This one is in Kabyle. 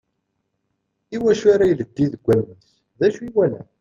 I wacu ara ileddi deg wallen-is? D ucu i yewala?